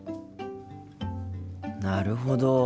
なるほど。